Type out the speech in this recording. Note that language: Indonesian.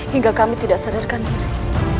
hingga kami tidak sadarkan diri